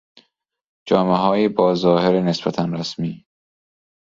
جامههایی با ظاهر نسبتا رسمی